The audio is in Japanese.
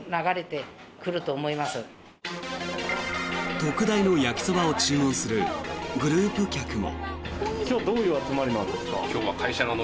特大の焼きそばを注文するグループ客も。